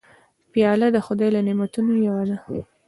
پیاله د خدای له نعمتونو یوه ده.